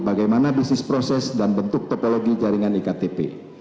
bagaimana bisnis proses dan bentuk topologi jaringan iktp